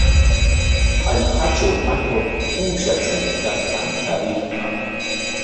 Hallqatraw atuq uusha chariykaqtam tarirqan.